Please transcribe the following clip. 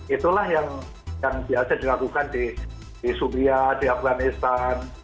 itulah yang biasa dilakukan di subia di afghanistan